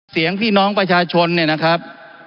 เสียงที่น้องประชาชนนะครับ